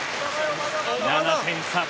７点差。